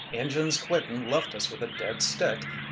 Engine's quit and left us with a dead stick!